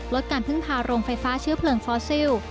การพึ่งพาโรงไฟฟ้าเชื้อเพลิงฟอสซิล